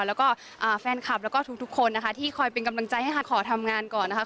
แล้วก็แฟนคลับแล้วก็ทุกคนนะคะที่คอยเป็นกำลังใจให้ค่ะขอทำงานก่อนนะคะ